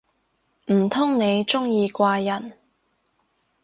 唔通你鍾意怪人